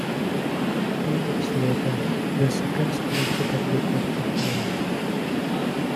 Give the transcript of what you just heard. Two days later, the Second Spanish Republic was proclaimed.